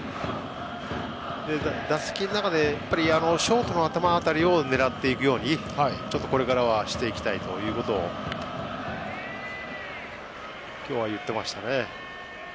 打席の中で、ショートの頭辺りを狙っていくように、これからはしていきたいということを今日は言ってましたね。